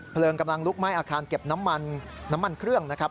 เพลิงกำลังลุกไหม้อาคารเก็บน้ำมันน้ำมันเครื่องนะครับ